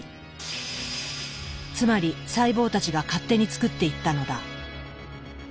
つまり細胞たちが勝手に作っていったのだ。